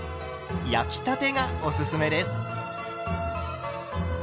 焼きたてがおすすめです。